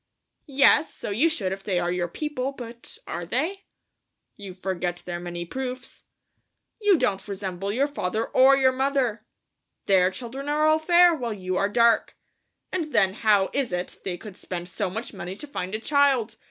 "Yes, so you should if they are your people, but ... are they?" "You forget their many proofs." "You don't resemble your father or your mother. Their children are all fair, while you are dark. And then how is it they could spend so much money to find a child?